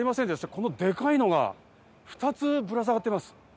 このデカいのが２つぶら下がっています。